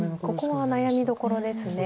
ここは悩みどころです。